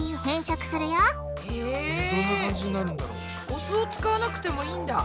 お酢を使わなくてもいいんだ。